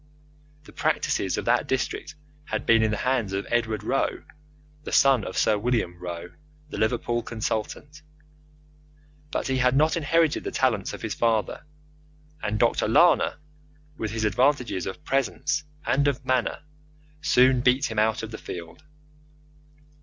The practice of that district had been in the hands of Edward Rowe, the son of Sir William Rowe, the Liverpool consultant, but he had not inherited the talents of his father, and Dr. Lana, with his advantages of presence and of manner, soon beat him out of the field.